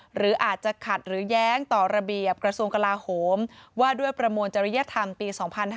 หรืออาจจะขัดหรือแย้งต่อระเบียบกระทรวงกลาโหมว่าด้วยประมวลจริยธรรมปี๒๕๕๙